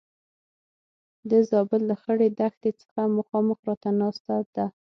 د زابل له خړې دښتې څخه مخامخ راته ناسته ده.